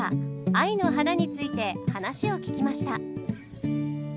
「愛の花」について話を聞きました。